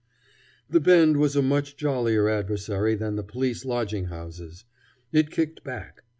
The Bend was a much jollier adversary than the police lodging houses. It kicked back.